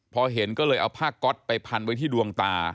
พอเห็นก็เลยเอาผ้าก๊อตไปพันไว้ที่ดวงตา